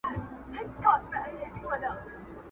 لا هغه سوټک ته څڼي غور ځومه،